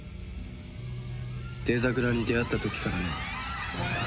デザグラに出会った時からな。